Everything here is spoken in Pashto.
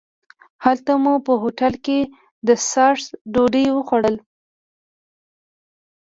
هلته مو په هوټل کې د څاښت ډوډۍ وخوړله.